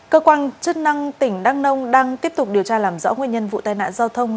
cơ quan chức năng tỉnh đăng nông đang tiếp tục điều tra làm rõ nguyên nhân vụ tai nạn giao thông